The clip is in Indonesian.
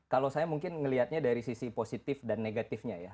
kalau saya mungkin melihatnya dari sisi positif dan negatifnya ya